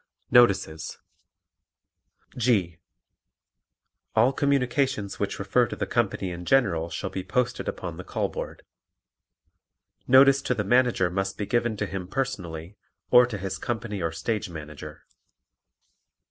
Notices G. All communications which refer to the company in general shall be posted upon the call board. Notice to the Manager must be given to him personally or to his company or Stage Manager.